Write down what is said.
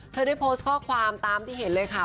ได้โพสต์ข้อความตามที่เห็นเลยค่ะ